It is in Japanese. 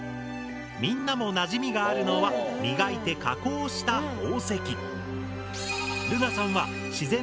みんなもなじみがあるのは磨いて加工した宝石。